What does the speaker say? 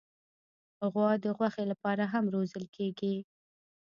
غوا د غوښې لپاره هم روزل کېږي.